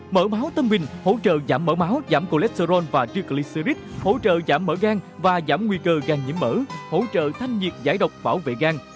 mỡ máu tâm bình hỗ trợ giảm mỡ máu giảm cholesterol và triglycerides hỗ trợ giảm mỡ gan và giảm nguy cơ gan nhiễm mỡ hỗ trợ thanh nhiệt giải độc bảo vệ gan